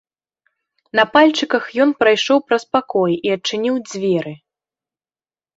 На пальчыках ён прайшоў праз пакой і адчыніў дзверы.